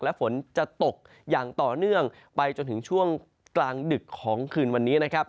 และฝนจะตกอย่างต่อเนื่องไปจนถึงช่วงกลางดึกของคืนวันนี้นะครับ